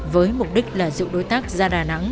với mục đích là dịu đối tác ra đà nẵng